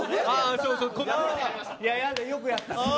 よくやった。